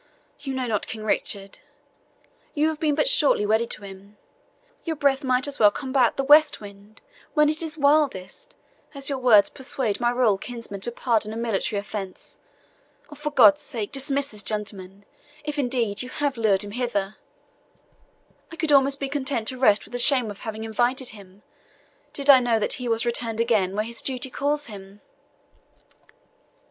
You know not King Richard you have been but shortly wedded to him. Your breath might as well combat the west wind when it is wildest, as your words persuade my royal kinsman to pardon a military offence. Oh, for God's sake, dismiss this gentleman, if indeed you have lured him hither! I could almost be content to rest with the shame of having invited him, did I know that he was returned again where his duty calls him!"